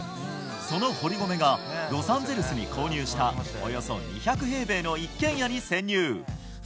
その堀米がロサンゼルスに購入したおよそ２００平米の一軒家に潜入。